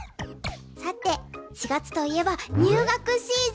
さて４月といえば入学シーズン。